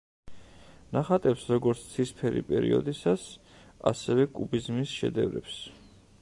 ნახატებს როგორც ცისფერი პერიოდისას, ასევე კუბიზმის შედევრებს.